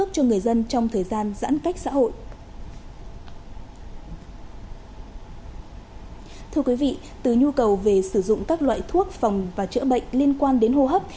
từ nhu cầu về sử dụng các loại thuốc phòng và chữa bệnh liên quan đến hô hấp